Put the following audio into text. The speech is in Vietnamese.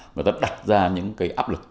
người ta đặt ra những cái áp lực